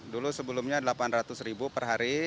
dulu sebelumnya delapan ratus ribu per hari